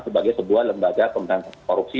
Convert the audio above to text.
sebagai sebuah lembaga pemberantasan korupsi